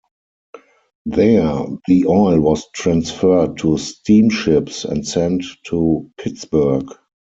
There the oil was transferred to steamships and sent to Pittsburgh.